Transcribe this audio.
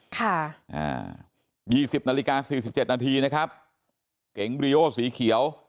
ค่ะอ่ายี่สิบนาฬิกาสี่สิบเจ็ดนาทีนะครับเก๋งบริโอสีเขียว